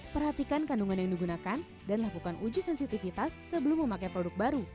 perhatikan kandungan yang digunakan dan lakukan uji sensitivitas sebelum memakai produk baru